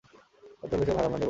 আহত হলে সে ভার আমরা নেবো না।